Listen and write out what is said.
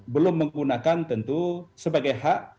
belum menggunakan tentu sebagai hak